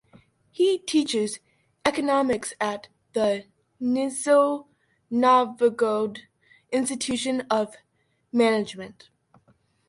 He teaches economics at the Nizhny Novgorod Institute of Management.